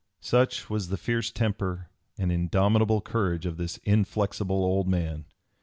Such was the fierce temper and indomitable courage of this inflexible old man!